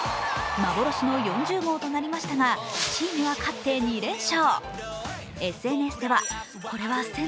幻の４０号となりましたが、チームは勝って、２連勝。